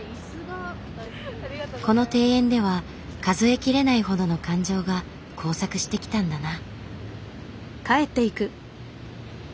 この庭園では数え切れないほどの感情が交錯してきたんだな。